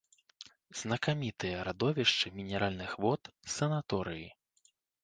Знакамітыя радовішчы мінеральных вод, санаторыі.